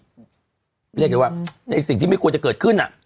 เรียกได้ว่าในสิ่งที่ไม่ควรจะเกิดขึ้น